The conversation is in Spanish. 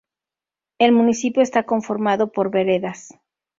El municipio está conformado por veredas.